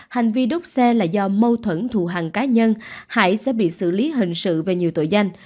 hành vi đốt xe là do mâu thuẫn thù hằng cá nhân hải sẽ bị xử lý hình sự về nhiều tội danh